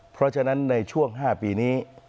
เพราะฉะนั้นในช่วง๕ปีนี้